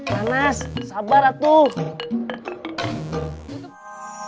panas sabar atuh